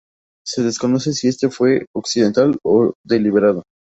Se desconoce si esto fue accidental o deliberado.